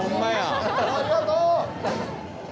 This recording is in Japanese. ありがとう！